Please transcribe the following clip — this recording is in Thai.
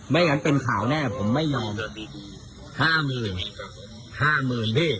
อย่างนั้นเป็นข่าวแน่ผมไม่ยอมห้าหมื่นห้าหมื่นพี่